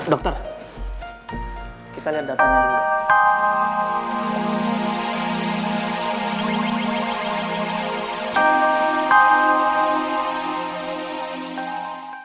dokter kita lihat data dulu